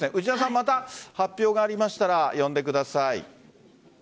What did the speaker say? また発表がありましたら呼んでください。